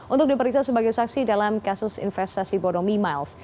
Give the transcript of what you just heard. untuk diperiksa sebagai saksi dalam kasus investasi bodong mimiles